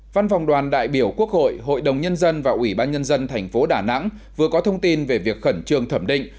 văn phòng đoàn đại biểu quốc hội hội đồng nhân dân và ủy ban nhân dân thành phố đà nẵng vừa có thông tin về việc khẩn trương thẩm định